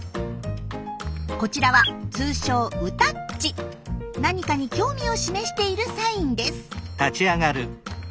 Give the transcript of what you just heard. こちらは通称何かに興味を示しているサインです。